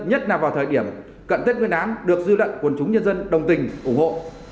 nhất là vào thời điểm cận tết nguyên án được dư lận quần chúng nhân dân đồng tình ủng hộ